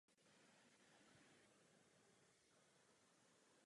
To by bylo přínosem pro celou Evropu.